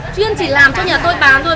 chuyên chỉ làm cho nhà tôi bán thôi